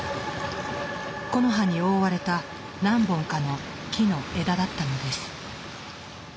木の葉に覆われた何本かの木の枝だったのです。